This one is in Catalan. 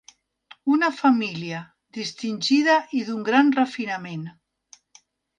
Una família distingida i d'un gran refinament.